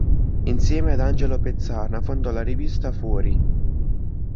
Insieme ad Angelo Pezzana fondò la rivista "Fuori!